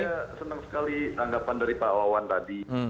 saya senang sekali anggapan dari pak wawan tadi